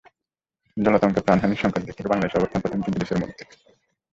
জলাতঙ্কে প্রাণহানির সংখ্যার দিক থেকে বাংলাদেশের অবস্থান প্রথম তিনটি দেশের মধ্যে।